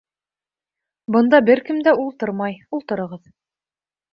Бында бер кем дә ултырмай, ултырығыҙ